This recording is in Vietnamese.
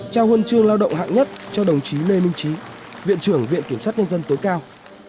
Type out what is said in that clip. trao huân chương lao động hạng nhất cho đồng chí lê minh trí viện trưởng viện kiểm sát nhân dân tối cao